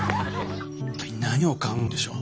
一体何を考えてるんでしょう。